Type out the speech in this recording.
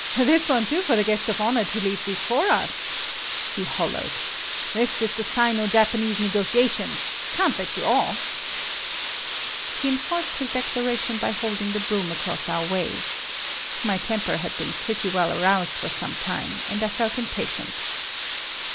"This won't do for the guest of honor to leave before us," he hollered, "this is the Sino Japanese negotiations. Can't let you off." He enforced his declaration by holding the broom across our way. My temper had been pretty well aroused for some time, and I felt impatient.